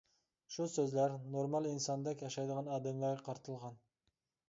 بۇ سۆزلەر نورمال ئىنساندەك ياشايدىغان ئادەملەرگە قارىتىلغان.